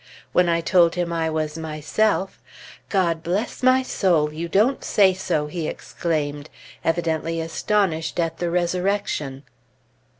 When I told him I was myself, "God bless my soul! You don't say so!" he exclaimed, evidently astonished at the resurrection.